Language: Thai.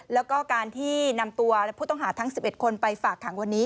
แล้วก็การที่นำตัวผู้ต้องหาทั้ง๑๑คนไปฝากขังวันนี้